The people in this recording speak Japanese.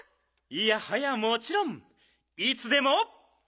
いやはやもちろん！いつでも。